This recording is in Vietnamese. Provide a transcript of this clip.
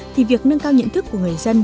thì việc nâng cao nhận thức của người dân